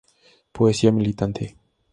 Poesía militante".